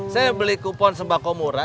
saya beli kupon sembako murah